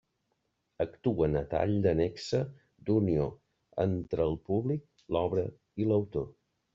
Actuen a tall de nexe d'unió entre el públic, l'obra i l'autor.